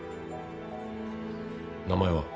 名前は。